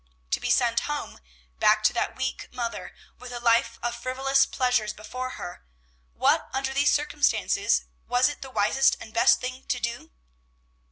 To be sent home, back to that weak mother, with a life of frivolous pleasures before her, what, under these circumstances, was it the wisest and best thing to do?